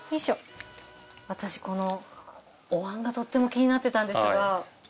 私このおわんがとっても気になってたんですが。